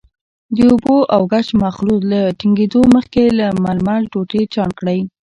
د اوبو او ګچ مخلوط له ټینګېدو مخکې له ململ ټوټې چاڼ کړئ.